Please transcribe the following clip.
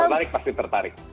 kalau tertarik pasti tertarik